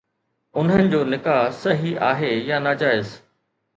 انهن جو نڪاح صحيح آهي يا ناجائز؟